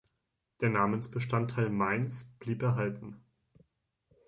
Der Namensbestandteil "Mainz-" blieb erhalten.